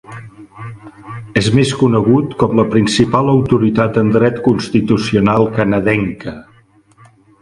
És més conegut com la principal autoritat en dret constitucional canadenca.